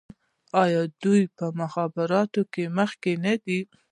آیا دوی په مخابراتو کې مخکې نه دي؟